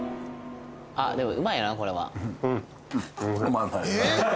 あっでも美味いなこれはえっ？